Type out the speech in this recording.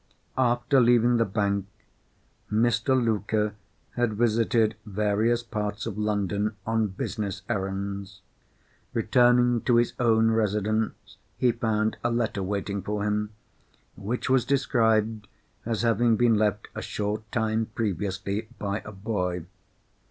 After leaving the bank, Mr. Luker had visited various parts of London on business errands. Returning to his own residence, he found a letter waiting for him, which was described as having been left a short time previously by a boy.